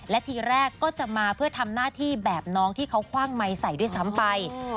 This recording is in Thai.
และทีแรกก็จะมาเพื่อทำหน้าที่แบบน้องที่เขาคว่างไมค์ใส่ด้วยซ้ำไป